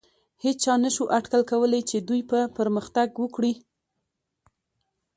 هېچا نهشو اټکل کولی، چې دوی به پرمختګ وکړي.